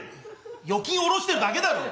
預金下ろしてるだけだろ！